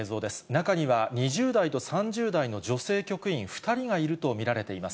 中には２０代と３０代の女性局員２人がいると見られています。